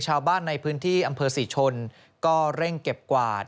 ชาวบ้านในพื้นที่อำเภอศรีชนก็เร่งเก็บกวาด